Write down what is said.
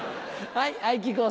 はい。